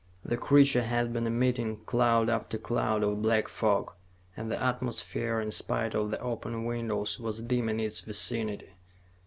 The creature had been emitting cloud after cloud of black fog, and the atmosphere, in spite of the open windows, was dim in its vicinity.